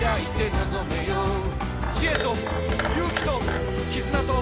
「知恵と勇気ときずなと」